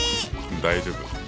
大丈夫。